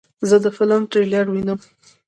زه د فلم ټریلر وینم.